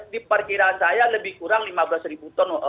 di perkiraan saya lebih kurang rp lima belas